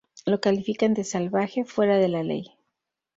Lo califican de "salvaje, fuera de la ley".